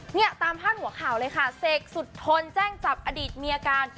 เนี่ยตามพาดหัวข่าวเลยค่ะเสกสุดทนแจ้งจับอดีตเมียการ